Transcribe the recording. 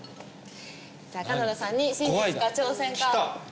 じゃあ金田さんに真実か挑戦か怖いな！